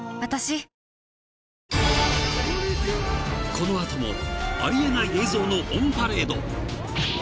［この後もありえない映像のオンパレード］